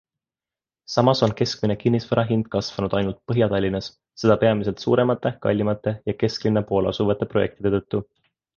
Samas on keskmine kinnisvarahind kasvanud ainult Põhja-Tallinnas, seda peamiselt suuremate, kallimate ja kesklinna pool asuvate projektide tõttu.